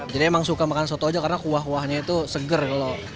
jadi emang suka makan soto aja karena kuah kuahnya itu seger loh